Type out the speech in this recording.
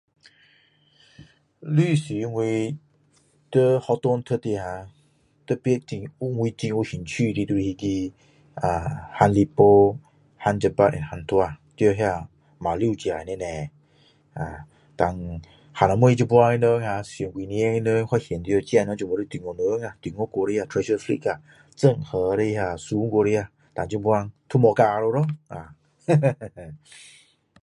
历史我在学校读的啊，我特别有很兴趣是 halipoberhuntua，在呢马六甲哪里，【dan】到后来他们十多年发现到这些人都是中国人啊，都是和郑和的船过来啊，都现在都没到啊，哈哈哈哈哈